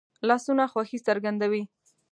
لاسونه خوښي څرګندوي